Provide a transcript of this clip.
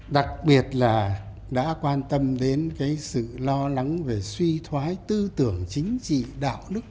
đặc biệt là đã quan tâm đến cái sự lo lắng về suy thoái tư tưởng chính trị đạo đức